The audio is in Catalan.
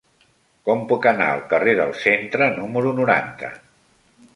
Com puc anar al carrer del Centre número noranta?